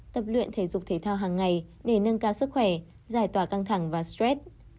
tập luyện thể dục thể thao hàng ngày để nâng cao sức khỏe giải tỏa căng thẳng và stress